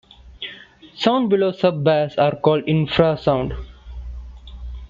Sounds below sub-bass are called infrasound.